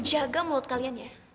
jaga mulut kalian ya